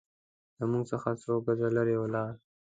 له موږ څخه څو ګزه لرې ولاړ.